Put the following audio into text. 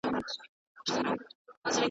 دوه شعرونه لیدلي دي .